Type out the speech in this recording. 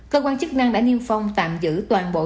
cơ quan chức năng đã niêm phong tạm giữ toàn bộ